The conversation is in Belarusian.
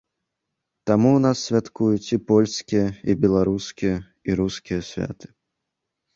Таму ў нас святкуюць і польскія, і беларускія, і рускія святы.